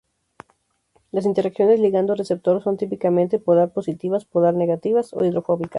Las interacciones ligandos receptor son, típicamente, "polar positivas", "polar negativas" o "hidrofóbicas".